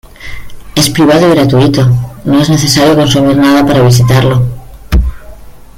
Es privado y gratuito, no es necesario consumir nada para visitarlo.